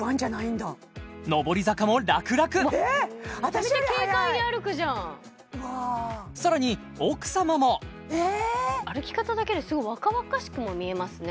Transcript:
私より速いめっちゃ軽快に歩くじゃんさらに奥様も歩き方だけですごい若々しくも見えますね